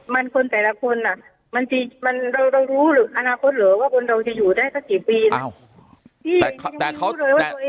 มันคนแต่ละคนเรารู้หรืออนาคตเหรอว่าคนเราจะอยู่ได้สักกี่ปี